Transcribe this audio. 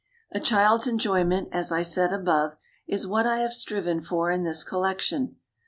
A child's enjoyment, as I said above, is what I have striven for in this collection.